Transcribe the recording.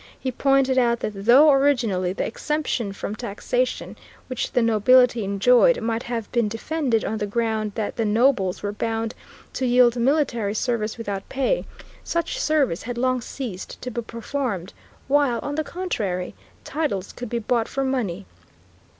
He pointed out that though originally the exemption from taxation, which the nobility enjoyed, might have been defended on the ground that the nobles were bound to yield military service without pay, such service had long ceased to be performed, while on the contrary titles could be bought for money.